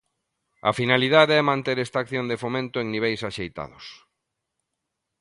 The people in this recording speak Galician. A finalidade é manter esta acción de fomento en niveis axeitados.